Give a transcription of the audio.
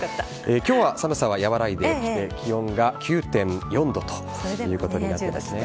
きょうは寒さは和らいできて、気温が９．４度ということになっていますね。